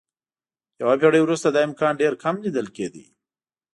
یوه پېړۍ وروسته دا امکان ډېر کم لیدل کېده.